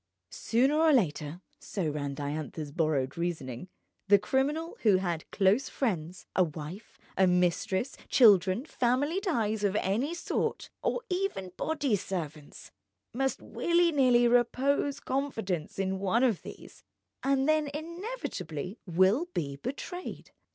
Sooner or later (so ran Diantha's borrowed reasoning) the criminal who has close friends, a wife, a mistress, children, family ties of any sort, or even body servants, must willy nilly repose confidence in one of these, and then inevitably will be betrayed.